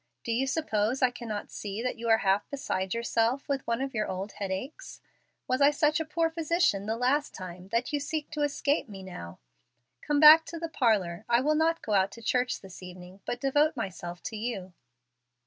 Do you suppose I cannot see that you are half beside yourself with one of your old headaches? Was I such a poor physician the last time that you seek to escape me now? Come back to the parlor. I will not go out to church this evening, but devote myself to you."